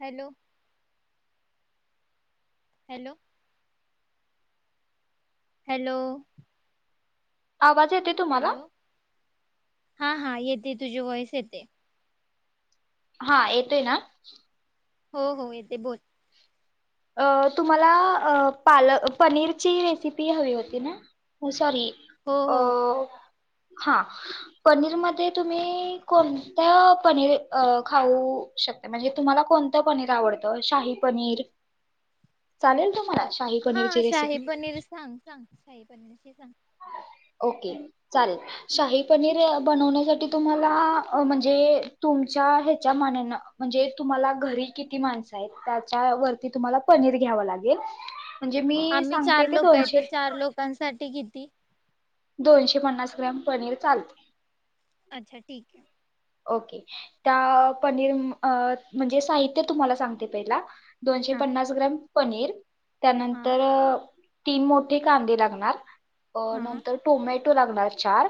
Hello. Hello. Hello. आवाज येतोय तुम्हाला. हॅलो हा हा येते तुझी वॉइस येते. हा येतोय ना. हो हो येते बोल. अ तुम्हाला पाल पनीरची रेसिपी हवी होती ना सॉरी. हो अ. हो हा पनीरमध्ये तुम्ही कोणत्या पनीर अ खाऊ शकता म्हणजे तुम्हाला कोणतं पनीर आवडतं शाही पनीर चालेल तुम्हाला अ, शाही हा पनीरची शाही रेसिपी. पनीर सांग सांग शाही पनीरची सांग. ओके चालेल शाही पनीर बनवण्यासाठी तुम्हाला अ म्हणजे तुमच्या ह्याच्या मानान म्हणजे तुम्हाला घरी किती माणसं आहेत त्याच्या वरती तुम्हाला पनीर घ्याव लागेल म्हणजे मी आम्ही सांगते चार ते लोक आहे दोनशे तर चार लोकांसाठी किती? दोनशे पन्नास ग्रॅम पनीर चालते. अच्छा ठीक आहे. ओके. त्या पनीर अ म्हणजे साहित्य तुम्हाला सांगते पहिला. दोनशे हा पन्नास ग्रॅम पनीर हा त्यानंतर तीन मोठे कांदे लागणार अ हा नंतर टोमेट [unintelligible] लागणार चार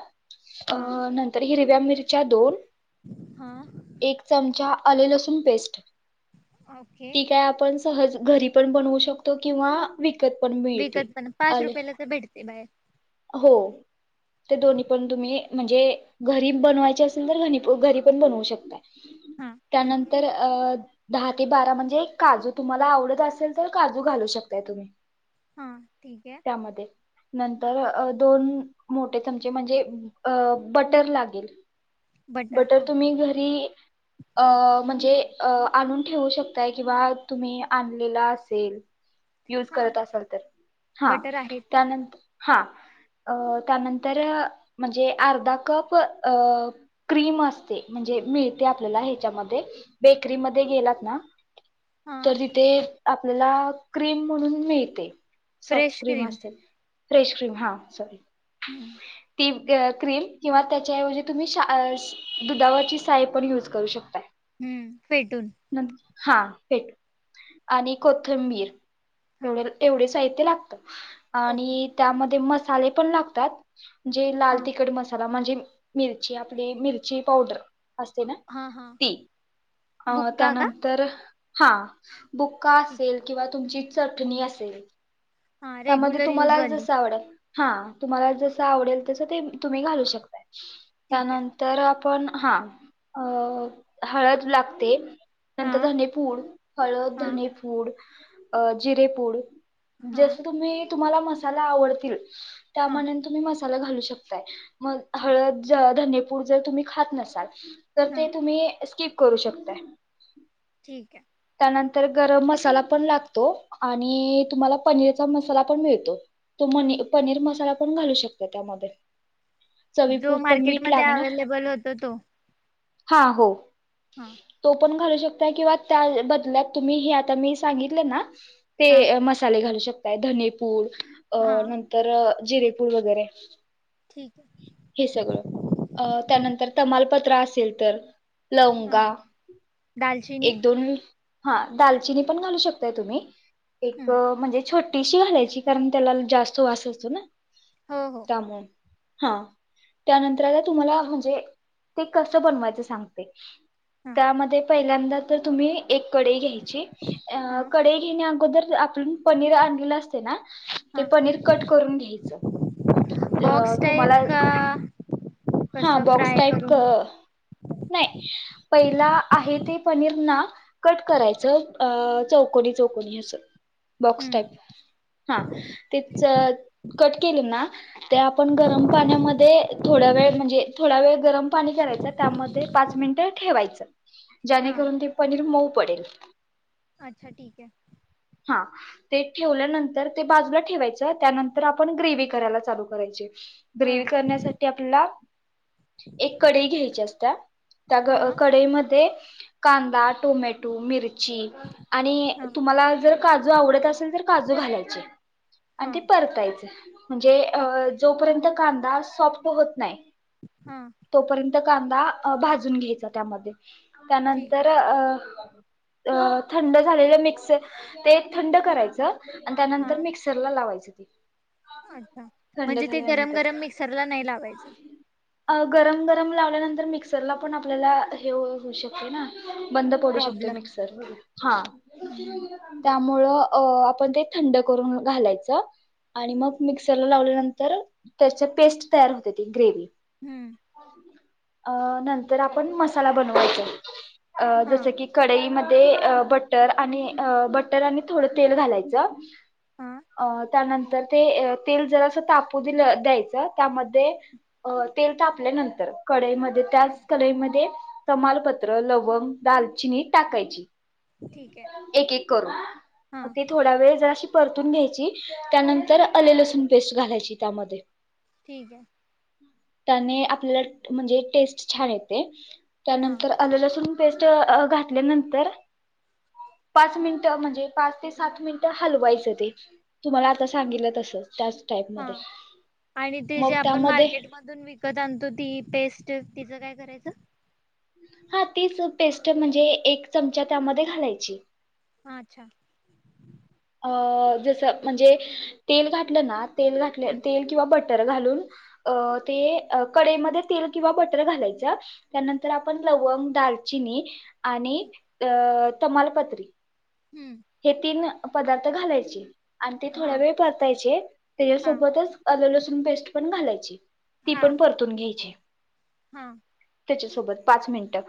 अ हा नंतर हिरव्या मिर च्या दोन हा एक चमचा आले लसूण पेस्ट ओके ती काय आपण सहज घरी पण बनवू शकतो किंवा विकत त पण मिळते. विकत पण पाच आले, रुपयाला तर भेटते बाहेर हो ते दोन्ही पण तुम्ही म्हणजे घरी बनवायचे असेल तर घनी पण घरी पण बनवू शकताय. हा ठीक आहे त्यानंतर अ दहा ते बारा म्हणजे काजू तुम्हाला आवडत असेल तर काजू घालू शकताय तुम्ही. हा ठीक ये. त्यामध्ये नंतर अ दोन मोठे चमचे म्हणजे अ बटर लागेल. बटर तुम्ही घरी अ म्हण हे अ आणून ठेवू शक ताय किंवा तुम्ही आणलेला असेल युज हा करत असाल तर, हा बटर आहेत त्यानंतर हा. अ त्यानंतर म्हणजे अर्धा कप अ क्रीम असते, म्हणजे मिळते आपल्याला ह्याच्यामध्ये बेकरीमध्ये गेलात ना हा तर तिथे आपल्याला क्रीम म्हणून मिळते. सॉफ्ट क्रीम अशे फ्रेश क्रीम हां सॉरी. हम्म ती त्य क्रीम किंवा त्याच्याऐवजी तुम्ही शा अ दुधावरची साय पण युज करू शकताय. हम्म पेटून. नं- हा हेट आणि कोथंबीर हा एवढ एवढे साहित्य लागतात. ओके आणि त्यामध्ये म ले पण लागतात. जे लाल हा तिखड मसाला म्हणजे - - मिरची आपली मिरची पावडर. असते ना हा हा ती अं बुक्का का त्यानंत हां बुक्का ठीक असेल किंवा तुमची चटणी असेल. हा त्यामध्ये रेग्युलर यूज तुम्हाला वाली जसं आवडय हां, तुम्हाला जसं आवडेल तसं ते तुम्ही घालू शकताय. ठीक आहे त्यानंतरं पण हां अ हळद लागते. नंत हां धनेपूड, हळद, हां धनेपूड. अ जिरेपूड हां ए तुम्हाला मसाला आवडतील. त्या हां म्हनतमी मस् तरं घालू शकताय. मग, ठीक हळद जात् धनेपूड जे तुम्ही खात नसाल. तर हां ते तुम्ही ए स्किप करू शकताय. ठीक आय. नंतर गरम मसाला पण लागतो, आणि तुम्हाला पनीरचा मसाला पण मिळतो. तो मनी पनीर मसाला पण घालू शकतो त्यामध्ये. जो चवीपुरतं मीठ मार्केटमध्ये अवेलेबल होतो तो. हां, हो. हम् तो पण घालू शकताय किंवात त्याय बदल्यात तुम्ही हे आता मी सांगितलं ना ते हां अ मसाले घालू शक ताय धनेपूड अ हां नंतरं जीरेपूड वगैरे ठीक आहे हे सगळं, अ त्यानंतर तमाल पत्र असेल तर हा लवंगा दालचीणी, एक दोन हा दालचिनी पण घालू शकताय तुम्ही. एक हं, म्हणजे छोट - - थोडीशी घालायची कारण त्याला जास्त वास असतो ना. हो हो काम हा त्यानंतर आता तुम्हाला म्हणजे ते कस बनवायचं सांगते. हां त्यामध्ये - - पहिल्यांदा - - तर तुम्ही - - एक कडई घ्यायची अ हां कडई घेण्या अगोदर - - [unintelligible] आपण पनीर आणलेला असतय ना. ते हां पनीर घट करून घ्यायच. बॉक्स अ टाईप तुम्हाला का हा कसं बॉक्स फ्राय टाईप क करून नाही पहिला आहे ते - - कट करायच. अ चौकोणी चौकोणी असं. बॉक्स टाईप हं, हा तेच कट केल ना ते आपण गरम पाण्यामध्ये थोड्या वेळ म्हणजे थोड वेळ गरम पाणी करायचं त्यामध्ये पाच मिनटं ठेवायचं. हां ज्याणेकरून ते पनीर मऊ पडेल. अच्छा ठीक आहे. हा ते ठेवल्यानंतर ते बाजूला ठेवायचं त्यानंतर आपण ग्रेव्ही करायला चालू करायचे. ग्रेवी हां करण्यासाठी आपला - - एक कढई घ्यायची असतीया. हां त्या कढईमध्ये - - कांदा, टोमॅटो, मिर - - आणि हां तुम्हाला जर काजू आवडत असेल. काजू घालायचे आणि हां ते परतायच. म्हणजे ठीक जोपर्यजोपर्यंत - - कांदा सॉफ्ट होत नाही. ह तोपर्यंत कांदा भाजून घ्यायचा त्यामध्ये. ठीक आहे त्यानंतर अ - - अ थंड झालेलं मिक्स ते थंड करायचं. आणि त्यानंतर हां मिक्सर ला लावायचं. [unintelligible] अच्छा थंड म्हणजे ते गरम झाल्यानंतर गरम मिक्सरला नाही लावायचं. गरम गरम लावल्यानंतर मिक्सरला पण आपल्याला हे होऊ शकतो हो ना बंद पडू शकतो प्रॉब्लेम मिक्सर हा हम्म हम्म त्यामूळे त्यामुळ आपण ते थंड करून घालायचं आणि मग मिक्सरला लावल्यानंतर त्याच्या पेस्ट तयार होते ती ग्रेव्ही हम्म हो अ नंतर आपण मसाला बनवायचा. [unintelligible] अ हा जसं की कडई मध्ये बटर आणि बटर आणि थोडं तेल घालायचं हा अ त्यानंतर ते तेल जरास तापू दिल द्यायचं त्यामध्ये तेल तापल्यानंतर कडईमध्ये त्याच कडईमध्ये तमालपत्र लवंग दालचिनी टाकायची. ठीक आहे एक एक करून हा म ते थोडा वेळ जराशी परतून घ्यायची त्यानंतर आले लसूण पेस्ट घालायची त्यामध्ये. ठीक आहे त्याने आपल्याला म्हणजे टेस्ट छान येते. हा त्यानंतर आलं लसूण पेस्ट घातल्यानंतर पाच मिनिट म्हणजे पाच ते सात मिनिटं हलवायचं ते तुम्हाला आता सांगितलं तसंच त्याच हा टाईपमध्ये आणि ते जे मग आपण त्यामध्ये मार्केट मधून विकत आणतो ती पेस्ट तिचं काय करायचं? हा तीच पेस्ट म्हणजे एक चमचा त्यामध्ये घालायची. अच्छा अ जस म्हणजे तेल घातलं ना तेल घातलं हम्म तेल किंवा बटर बटर घालून ते कडई मध्ये तेल किंवा बटर घालायचं त्यानंतर आपण लवंग दालचिनी आणि हम्म अ तमालपत्री हम्म. हे तीन पदार्थ घालायची. आणि ते थोड्या हा वेळ परतायचे हा त्याच्यासोबतच आल लसुण पेस्ट पण घालायची ती हा पण परतून घ्यायची. हा त्याच्यासोबत पाच मिनिटं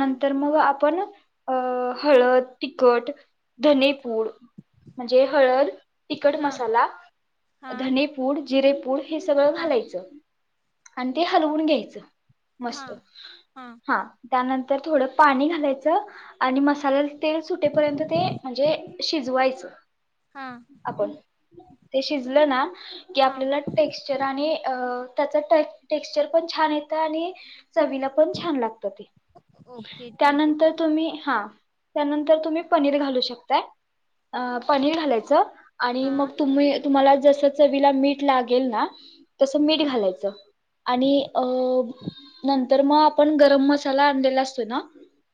हा मग आपण अ हळद तिकट धने पुड म्हणजे हळद, तिकड हा मसाला, हा धनेपूड, जिरेपूड हे सगळं हा घालायचं. आणि ते हालवून घ्यायचं. हा मस्त हा. त्यानंतर थोडं पाणी घालायचं, आणि मसाल्याल तेल सुटेपर्यंत ते म्हणजे शिजवायचं हा आपण. ते शिजलं ना, की हा आपल्याला टेक्सचर चर आणि अ- त्याचा टे टेक्सचर पण छान येत आणि चवीला पण छान लागत ते, ओके ठीक आहे त्यानंतर चालेल तुम्ही हा. त्यानंतर तुम्ही पनीर घालू शक काय, पनीर घालायचं. आणि हा मग तुम्ही तुम्हाला जस चवीला मीठ लागेल ना तस मीठ हा घालायचं आणि ठीक अ आहे नंतर म पण गरम मसाला आणलेला असतोय ना,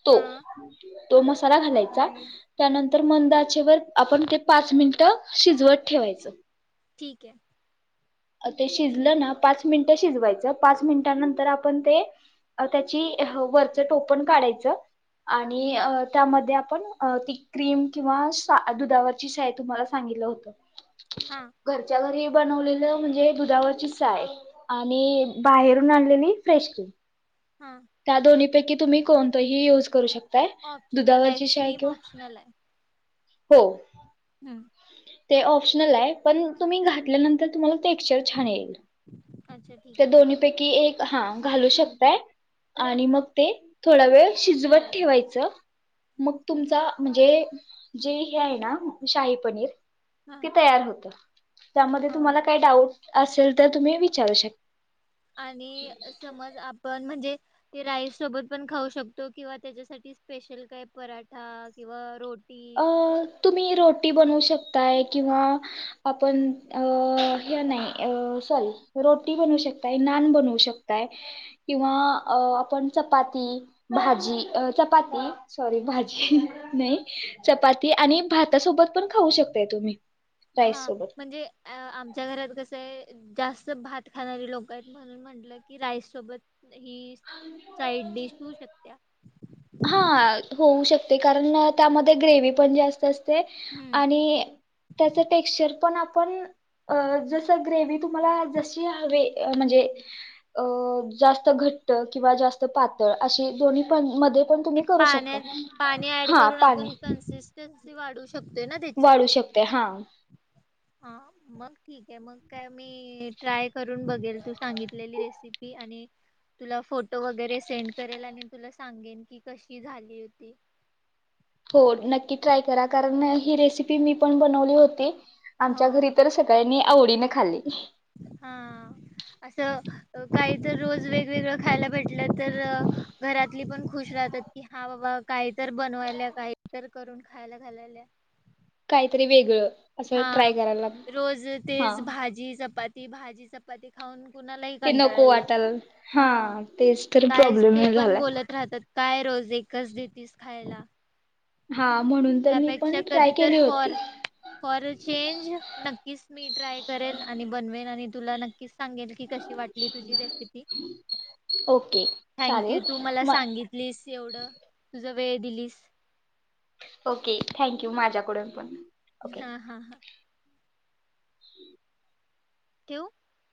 तो. हा तो मसाला घालायचा, त्यानंत तर मंद आचे वर आपण ते पाच मिनिट शिजवत ठेवायचं. ठीक आहे. ते शिजलं ना पाच मिनिटं शिजवायचं पाच मिनिटानंतर आपण ते अत्याची वरचं टोपण काढायचं आणि अ त्यामध्ये आपण अ ती क्रीम किंवा सा दुधावरची साय तुम्हाला सांगितलं होत. हा घरच्या घरी. बनवलेलं म्हणजे दुधावरची साय, आणि बाहेरून आणलेली फ्रेश क्रीम. हा त्या दोन्हीं पैकी तुम्ही कोणतही युज करू शक ऑफशनल आहे क्रीम ऑप्शनल आहे. हो. हां. ते ऑप्शनल आहे पण तुम्ही घातल्यानंतर तुम्हाला टेक्सचर छान येईल. अच्छा ठीक त्या आहे दोन्ही पैकी एक हां घालू शकताय, आणि मग ते थोडा वेळ शिजवत ठेवायचं, मग तुमचा म्हणजे जे हे आहे ना शाही पनीर हा ती तयार होते. त्यामध्ये हा तुम्हाला काय डाऊट? असेल तर तुम्ही विचारू शक आणि समज आपण म्हणजे ते राईस सोबत पण खाऊ शकतो किंवा त्याच्यासाठी स्पेशल काय पराठा किंवा रोटी अ तुम्ही रोटी बनवू शकताय किंवा आपण अ हे नाही सॉरी रोटी बनवू शकताय, नान बनवू शकताय, किंवा अ आपण चपाती, भाजी चपाती सॉरी भाजी नाही चपाती आणि भाता सोबत पण खाऊ शकताय तुम्ही राईस हा सोबत म्हणजे अ आमच्या घरात कसं ये जास्त भात खाणारी लोक आहेत म्हणून म्हंटलं की राईस सोबत ही साईड डिश होऊ शकत्या हां. होऊ शकते कारण त्यामध्ये ग्रेवी पण जास्त अस हम्म आणि त्याच टेक्सचर पण आप पण अ जसं ग्रेवी तुम्हाला जशी हवी म्हणजे अ जास्त घट्ट किंवा जास्त पातळ, अशी दोन्ही पण मध्ये पण ते तुम्ही करू पाण्या शकता पाणी ऍड करून आपण कन्सिस्टन्स वाढवू श वाढू शकते हा. हा मग ठीक आहे मग काय मी ट्राय करून बघेल तू सांगितलेली रेसिपी. आणि तुला फोटो वगैरे सेंड करेल, आणि तुला सांगेन की कशी झाली होती. हो नक्की ट्राय करा कारण ही रेसिपी मी पण बनवली होती आमच्या हो. घरी तर सगळ्यांनी आवडीने खाल्ली. हा असं काहीतर रोज वेगवेगळं खायला भेटलं तर घरातली पण खुश राहतात कि हा बाबा काहीतर बनवायल्या काहीतर करून खायला घालायल्या. काहीतरी वेगळं असं हा ट्राय करायला लाग रोज हा तेच भाजी, चपात ती भाजी, चपाती खाऊन कुणालाही ते कंटाळा नको येईल वाटाल हा तेच तर काय प्रॉब्लेम ते पण झालाय. बोलत राहतात काय रोज एकच देेतीस खायला. हा म्हणून तर मी त्यापेक्षा पण कधी ट्राय तर केली होती. [unintelligible] नक्कीच मी ट्राय करेल आणि बनवेल आणि तुला नक्कीच सांगेल कि कशी वाटली तुझी रेसिपी ओके थँक यू चालेल. तू मला म सांगितलीस एवढ तुझ- वेळ दिलीस. ओके थँक यू माझ्याकडून पण. ओके. हां हां हां [inaudible] ठेवू.